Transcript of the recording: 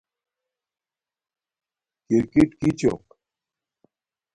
کرکِٹ کݵ چݸق؟